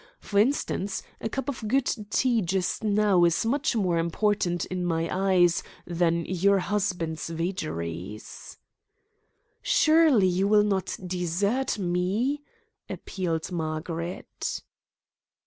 For instance, a cup of good tea just now is much more important in my eyes than your husband's vagaries." "Surely you will not desert me?" appealed Margaret.